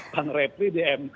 bang repri di mk